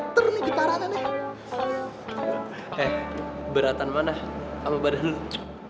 hek beratan mana sama badan lo